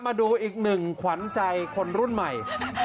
มาดูอีกหนึ่งขวัญใจคนรุ่นใหม่